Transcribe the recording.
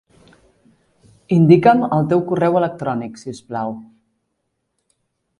Indica'm el teu correu electrònic, si us plau.